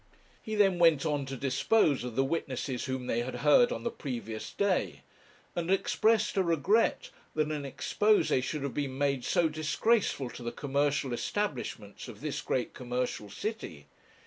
He then went on to dispose of the witnesses whom they had heard on the previous day, and expressed a regret that an exposé should have been made so disgraceful to the commercial establishments of this great commercial city.